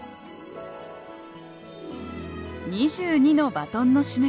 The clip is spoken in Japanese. ２２のバトンの締めくくり。